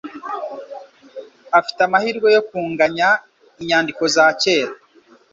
Afite amahirwe yo kunganya inyandiko za kera.